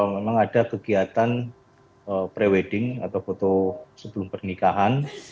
memang ada kegiatan pre wedding atau foto sebelum pernikahan